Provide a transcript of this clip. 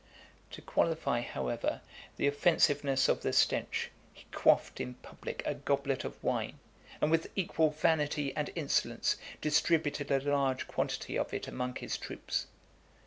To qualify, however, the offensiveness of the stench, he quaffed in public a goblet of wine, and with equal vanity and insolence distributed a large quantity of it among his troops.